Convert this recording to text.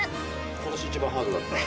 今年一番ハードだった。